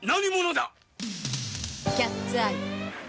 瞳：キャッツ・アイ。